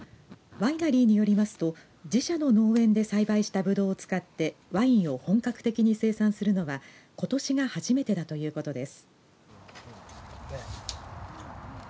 ワイナリーによりますと自社の農園で栽培したブドウを使ってワインを本格的に生産するのはことしが初めてだということです。